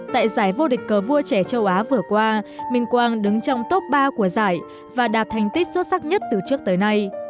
tại giải vô địch cờ vua trẻ châu á vừa qua minh quang đứng trong top ba của giải và đạt thành tích xuất sắc nhất từ trước tới nay